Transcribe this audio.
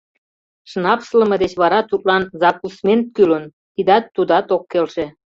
Шнапслыме деч вара тудлан закусмент кӱлын, тидат, тудат ок келше.